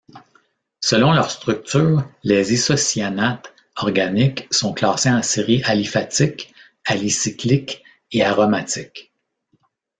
Selon leur structure, les isocyanates organiques sont classés en séries aliphatiques, alicycliques et aromatiques.